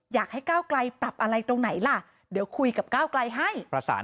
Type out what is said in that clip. อยากให้ก้าวไกลปรับอะไรตรงไหนล่ะเดี๋ยวคุยกับก้าวไกลให้ประสาน